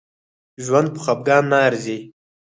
ژوند په خپګان نه ارزي